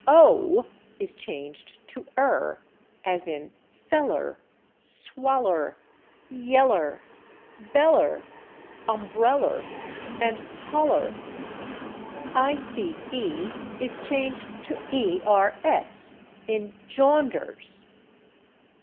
/Ow/ is changed to /er/, as in /feller/, /swaller/, /yeller/, /beller/, /umbreller/ and /holler/; /ice/ is changed to /ers/ in /jaunders